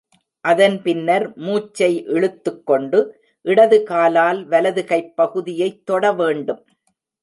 அதன் பின்னர் மூச்சை இழுத்துக் கொண்டு, இடது காலால் வலது கைப் பகுதியைத் தொட வேண்டும்.